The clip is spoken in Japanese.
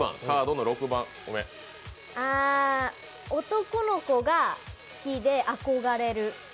男の子が好きで憧れる。